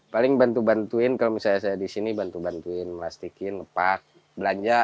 paling bantu bantuin kalau misalnya saya di sini bantu bantuin melastikin lepak belanja